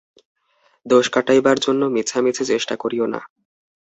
দোষ কাটাইবার জন্য মিছামিছি চেষ্টা করিও না!